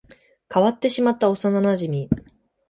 変わってしまった幼馴染